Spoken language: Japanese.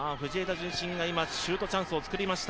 順心が今、シュートチャンスを作りました。